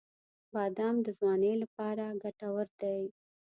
• بادام د ځوانۍ لپاره ګټور دی.